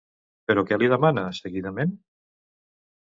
Però què li demana, seguidament?